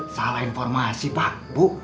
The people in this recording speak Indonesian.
salah informasi pak bu